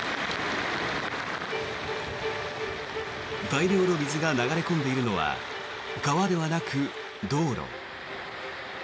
大量の水が流れ込んでいるのは川ではなく道路。